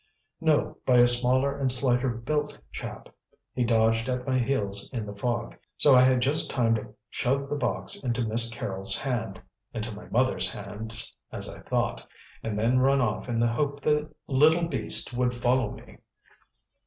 "No. By a smaller and slighter built chap. He dodged at my heels in the fog, so I had just time to shove the box into Miss Carrol's hand into my mother's hands, as I thought and then run off in the hope the little beast would follow me."